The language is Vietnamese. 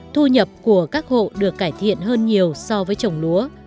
thu nhập của các hộ được cải thiện hơn nhiều so với trồng lúa